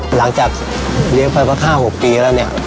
หลังจากเลี้ยงไป๕๖ปีแล้ว